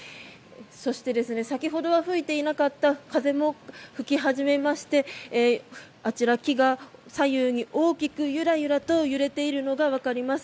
そして先ほどは吹いていなかった風も吹き始めましてあちら、木が左右に大きくゆらゆらと揺れているのがわかります。